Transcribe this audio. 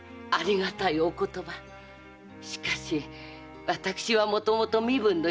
ありがたいお言葉しかし私はもともと身分の低い女。